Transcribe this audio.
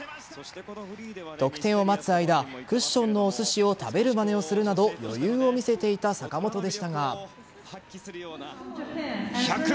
得点を待つ間クッションのおすしを食べるまねをするなど余裕を見せていた坂本でしたが。